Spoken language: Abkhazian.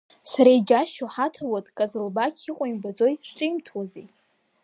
Сара иџьасшьо, ҳаҭауад Ҟазылбақь иҟоу имбаӡои, зҿимҭуазеи?